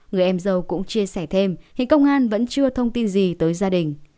người em dâu cũng chia sẻ thêm hiện công an vẫn chưa thông tin gì tới gia đình